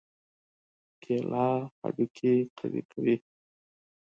کېله هډوکي قوي کوي.